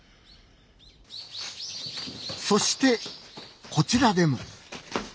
そしてこちらでも。